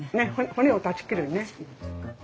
骨を断ち切るね。